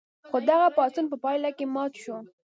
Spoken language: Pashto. خو دغه پاڅون په پایله کې مات شو.